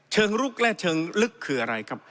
ลุกและเชิงลึกคืออะไรครับ